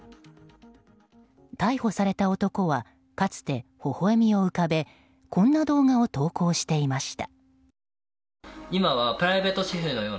逮捕された男はかつて、ほほ笑みを浮かべこんな動画を投稿していました。